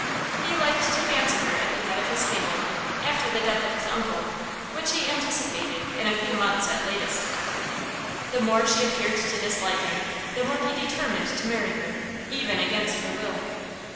He liked to fancy her at the head of his table, after the death of his uncle, which he anticipated in a few months at latest. The more she appeared to dislike him, the more he determined to marry her, even against her will.